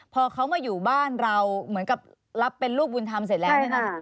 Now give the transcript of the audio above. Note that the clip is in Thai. พอเขามาอยู่บ้านเราเหมือนกับรับเป็นลูกบุญทำเสร็จแล้ว